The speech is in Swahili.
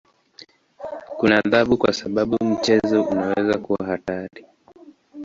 Kuna adhabu kwa sababu mchezo unaweza kuwa hatari.